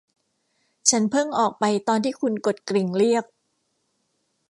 ฉันเพิ่งออกไปตอนคุณที่กดกริ่งเรียก